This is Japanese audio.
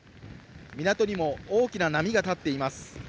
港にも大きな波が立っています。